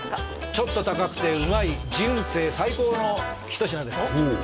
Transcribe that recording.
ちょっと高くてうまい人生最高の一品です